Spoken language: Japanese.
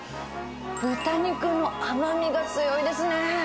豚肉の甘みが強いですね。